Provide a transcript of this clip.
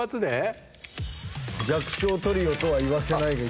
弱小トリオとは言わせない！がいきなり出た。